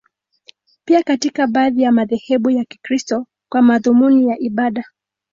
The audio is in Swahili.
Pia katika baadhi ya madhehebu ya Kikristo, kwa madhumuni ya ibada.